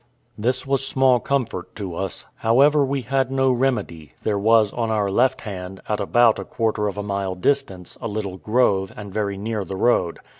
This was small comfort to us; however, we had no remedy: there was on our left hand, at about a quarter of a mile distance, a little grove, and very near the road.